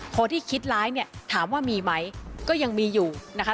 คนที่คิดร้ายเนี่ยถามว่ามีไหมก็ยังมีอยู่นะคะ